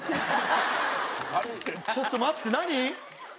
ちょっと待って何？